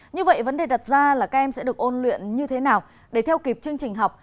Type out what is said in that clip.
như vậy vấn đề đặt ra là các em sẽ được ôn luyện như thế nào để theo kịp chương trình học